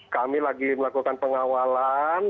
kami sedang melakukan pengawalan